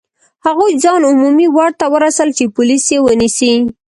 هغوی ځان عمومي واټ ته ورسول چې پولیس یې ونیسي.